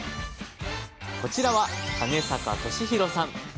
こちらは金坂敏弘さん。